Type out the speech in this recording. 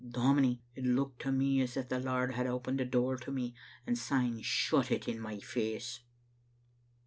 Dominie, it looked to me as if the Lord had opened a door to me, and syne shut it in my face.